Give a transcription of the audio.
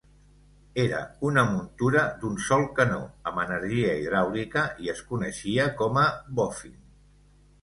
Era una muntura d'un sol canó amb energia hidràulica i es coneixia com a "Boffin".